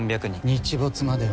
日没までは。